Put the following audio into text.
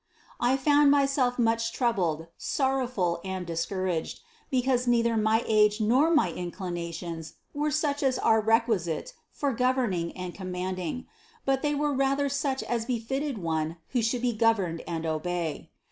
I found myself much troubled, sorrowful and discouraged, be cause neither my age nor my inclinations were such as are requisite for governing and commanding, but they were rather such as befitted one who should be governed and obey.